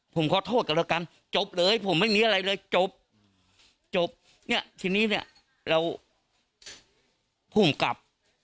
ผมขอโทษกันแล้วกันจบเลยผมไม่มีอะไรเลยจบจบทีนี้เราพุ่งกลับ